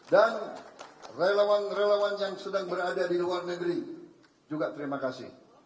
relawan relawan yang sedang berada di luar negeri juga terima kasih